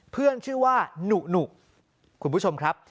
เพื่อนชื่อว่าหนุหนุคุณผู้ชมครับ